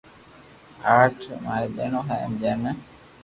آٺ ماري ٻينو ھي جي مون